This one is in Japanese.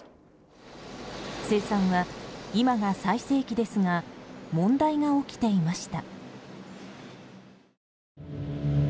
生産は、今が最盛期ですが問題が起きていました。